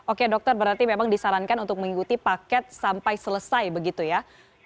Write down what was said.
oke dokter berarti memang disarankan untuk mengikuti paket sampai selesai begitu ya